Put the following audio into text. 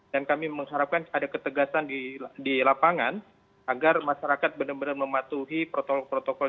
dan kami mengharapkan ada ketegasan di lapangan agar masyarakat benar benar mematuhi protokol protokol